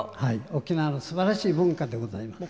沖縄のすばらしい文化でございます。